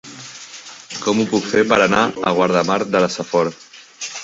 Com ho puc fer per anar a Guardamar de la Safor?